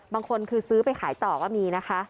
บางคนคือซื้อไปขายต่อก็มีนะคะ